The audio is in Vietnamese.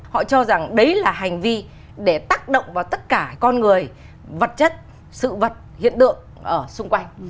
họ cho rằng đấy là hành vi để tác động vào tất cả con người vật chất sự vật hiện tượng ở xung quanh